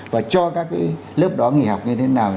và cho các cái lớp đó nghỉ học như thế nào